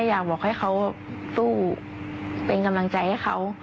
อยากบอกให้เค้าว่าฟู้เป็นกำลังใจให้เค้า